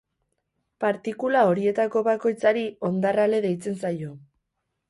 Partikula horietako bakoitzari hondar-ale deitzen zaio.